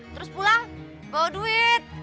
terus pulang bawa duit